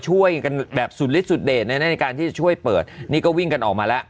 ช่วยกันแบบสุดฤทธสุดเดชในการที่จะช่วยเปิดนี่ก็วิ่งกันออกมาแล้ว